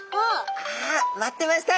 あ！あっ待ってました